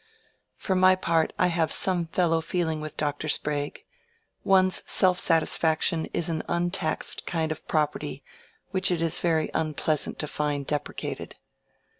For my part I have some fellow feeling with Dr. Sprague: one's self satisfaction is an untaxed kind of property which it is very unpleasant to find deprecated.